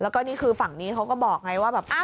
แล้วก็นี่คือฝั่งนี้เขาก็บอกไงว่าแบบ